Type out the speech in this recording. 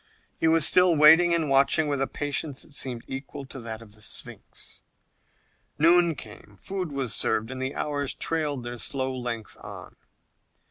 He was still waiting and watching with a patience that seemed equal to that of the Sphinx. Noon came, food was served, and the hours trailed their slow length on.